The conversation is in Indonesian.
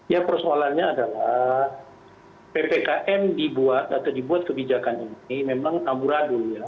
ya persoalannya adalah ppkm dibuat atau dibuat kebijakan ini memang amuradul ya